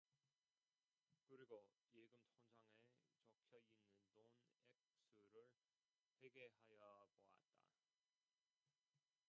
그리고 예금통장에 적혀 있는 돈 액수를 회계하여 보았다.